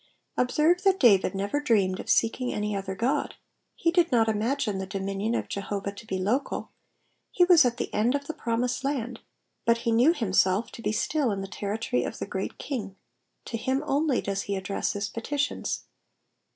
Observe that David never dreamed of seeking any other God ; be did not imagine the dominion of Jehovah to be local : he was at the end of the promised land, but he knew himself to be still in the territory of the Great King; to him only does he address his petitions.